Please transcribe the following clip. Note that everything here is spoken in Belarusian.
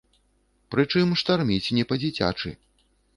Прычым штарміць не па-дзіцячы.